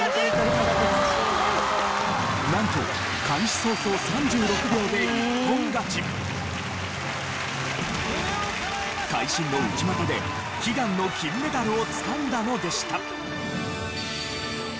なんと開始早々会心の内股で悲願の金メダルをつかんだのでした。